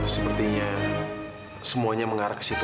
sepertinya semuanya mengarah ke situ